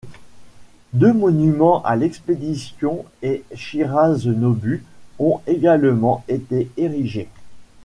Deux monuments à l'expédition et Shirase Nobu ont également été érigés.